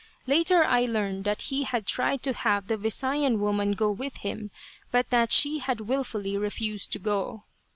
Later I learned that he had tried to have the Visayan woman go with him, but that she had wilfully refused to go.